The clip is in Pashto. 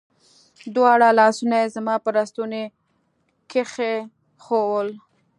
دواړه لاسونه يې زما پر ستوني کښېښوول.